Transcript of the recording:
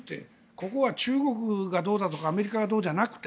ここは中国がどうだとかアメリカがどうじゃなくて